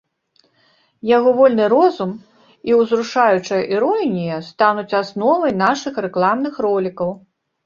Яго вольны розум і ўзрушаючая іронія стануць асновай нашых рэкламных ролікаў.